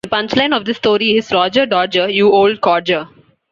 The punch line of this story is, Roger Dodger, you old codger!